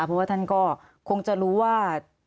เพราะว่าท่านก็คงจะรู้ว่า